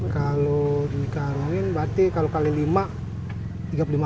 kalau dikarungin berarti kalau kali lima tiga puluh lima